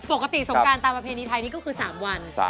ปกติสงกรานตามอเภณีไทยนี่ก็คือ๓วัน